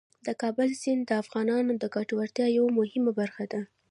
د کابل سیند د افغانانو د ګټورتیا یوه مهمه برخه ده.